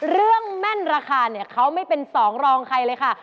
เรื่องแม่นราคาเขาไม่เป็นสองรองใครเลยค่ะ